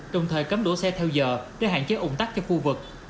đồng thời cấm đổ xe theo giờ để hạn chế ủng tắc cho khu vực